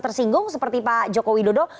tersinggung seperti pak joko widodo